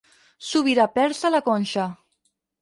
Sobirà persa a la Conxa.